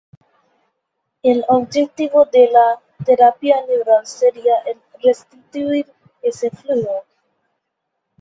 El objetivo de la terapia neural sería el restituir ese flujo.